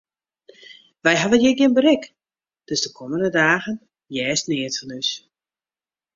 Wy hawwe hjir gjin berik, dus de kommende dagen hearst neat fan ús.